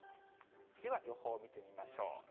では、予報を見てみましょう。